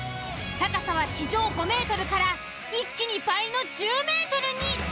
高さは地上５ｍから一気に倍の１０ｍに！